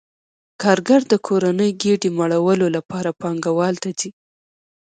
کارګر د کورنۍ ګېډې مړولو لپاره پانګوال ته ځي